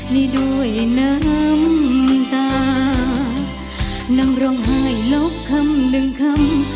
นี่ด้วยน้ำตา